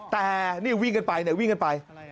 แต่นี่วิ่งกันไปวิ่งกันไป